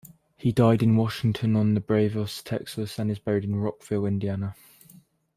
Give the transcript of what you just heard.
He died in Washington-on-the-Brazos, Texas and is buried in Rockville, Indiana.